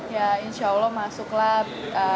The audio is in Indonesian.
ya insya allah masuklah